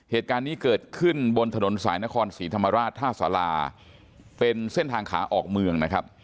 เหตุการณ์นี้เกิดขึ้นบนถนนสายนครศรีธรรมราชท่าสาราเป็นเส้นทางขาออกเมืองนะครับ